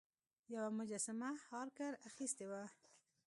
یوه مجسمه هارکر اخیستې وه.